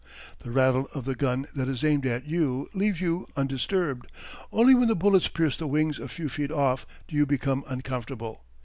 The rattle of the gun that is aimed at you leaves you undisturbed. Only when the bullets pierce the wings a few feet off do you become uncomfortable.